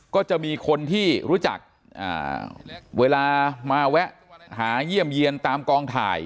ก็จะมีคนที่รู้จักเวลามาแวะหาเยี่ยมเยี่ยนตามกองถ่าย